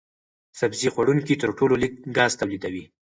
سبزي خوړونکي تر ټولو لږ ګاز تولیدوي.